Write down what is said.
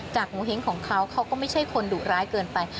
โงเห้งของเขาเขาก็ไม่ใช่คนดุร้ายเกินไป